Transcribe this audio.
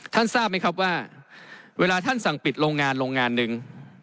ทราบไหมครับว่าเวลาท่านสั่งปิดโรงงานโรงงานหนึ่ง